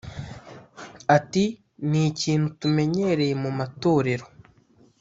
Ati”Ni ikintu tumenyereye mu matorero